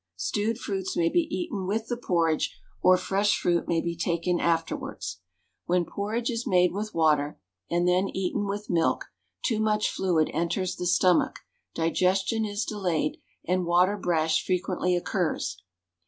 Stewed fruits may be eaten with the porridge, or fresh fruit may be taken afterwards. When porridge is made with water, and then eaten with milk, too much fluid enters the stomach, digestion is delayed, and waterbrash frequently occurs.